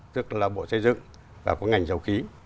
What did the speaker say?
tức là bộ xây dựng và bộ ngành dầu khí